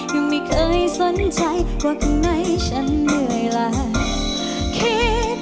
ยังไม่เคยสนใจว่าข้างในฉันเหนื่อยลาคิด